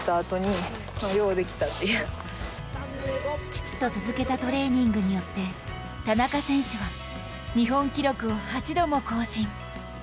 父と続けたトレーニングによって田中選手は日本記録を８度も更新。